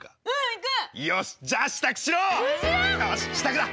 よし支度だ！